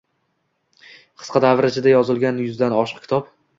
Qisqa davr ichida yozilgan yuzdan oshiq kitob